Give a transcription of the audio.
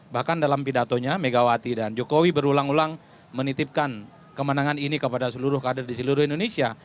bahkan dalam pidatonya megawati dan jokowi berulang ulang menitipkan kemenangan ini kepada seluruh kader di seluruh indonesia